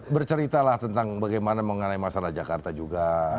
bercerita lah tentang bagaimana mengenai masalah jakarta juga